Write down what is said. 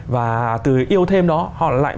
và từ yêu thêm đó họ lại